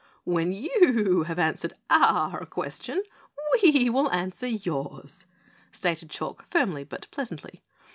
"When you have answered OUR question, we will answer yours," stated Chalk, firmly but pleasantly.